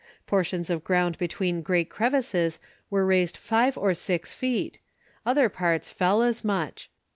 Portions of ground between great crevices were raised five or six feet; other parts fell as much.